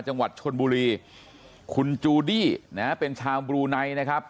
จังหวัดชนบุรีคุณจูดี้นะฮะเป็นชาวบลูไนนะครับ